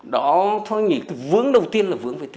đó tôi nghĩ vướng đầu tiên là vướng về tư duy